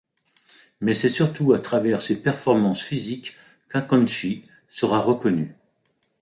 Mais c’est surtout à travers ses performances physiques qu'Acconci sera reconnu.